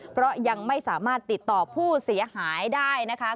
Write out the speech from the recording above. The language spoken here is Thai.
เพราะยังไม่สามารถติดต่อผู้เสียหายได้นะคะ